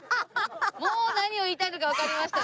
もう何を言いたいのかわかりました。